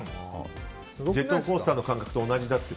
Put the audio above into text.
ジェットコースターの感覚と同じだと。